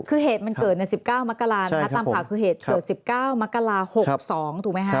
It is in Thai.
คือเหตุมันเกิดใน๑๙มกราตามภาพคือเหตุ๑๙มกรา๖๒ถูกไหมฮะ